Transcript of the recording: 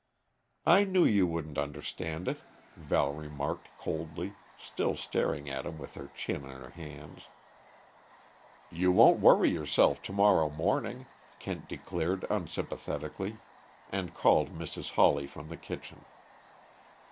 "I knew you wouldn't understand it," Val remarked coldly, still staring at him with her chin on her hands. "You won't yourself, to morrow morning," Kent declared unsympathetically, and called Mrs. Hawley from the kitchen.